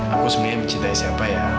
aku sebenarnya mencintai siapa ya